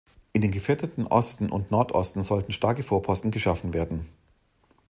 In den gefährdeten Osten und Nordosten sollten starke Vorposten geschaffen werden.